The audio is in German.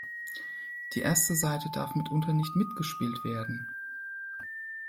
Die erste Saite darf mitunter nicht mitgespielt werden.